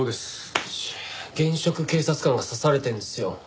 よし現職警察官が刺されてるんですよ。